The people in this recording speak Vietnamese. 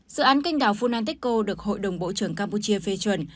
dự án canh đào phunanteco được hội đồng bộ trưởng campuchia phê chuẩn